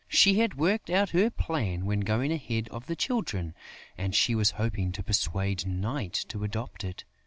She had worked out her plan when going ahead of the children; and she was hoping to persuade Night to adopt it.